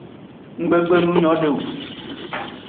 Nggbe gbe nu nyode o.